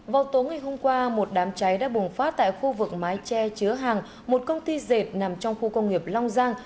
vào tối ngày hôm qua một đám cháy đã bùng phát tại khu vực mái tre chứa hàng một công ty dệt nằm trong khu công nghiệp long giang